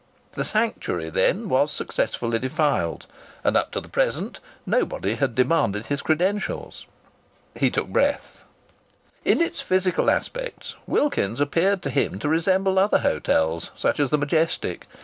The sanctuary, then, was successfully defiled, and up to the present nobody had demanded his credentials! He took breath. In its physical aspects Wilkins's appeared to him to resemble other hotels such as the Majestic.